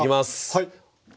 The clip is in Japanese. はい。